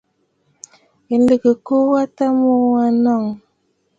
Ghɛ̀ɛ nlɨgə ɨkuu wa tâ mu wa kɔʼɔ nɔŋə.